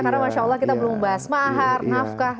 karena masya allah kita belum membahas mahar nafkah